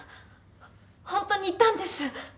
ホントにいたんです。